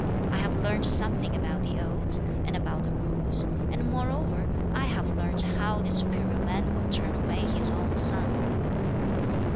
I have learnt something about the Odes, and about the Rules, and moreover I have learnt how the superior man will turn away his own son."